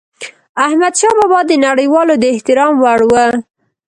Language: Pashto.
احمدشاه بابا د نړيوالو د احترام وړ و.